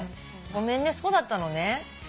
ごめんねそうだったのね。